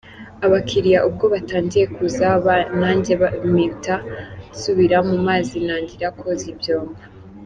Abakiriya ubwo batangiye kuza nanjye mpita nsubira mu mazi ntangira koza ibyombo.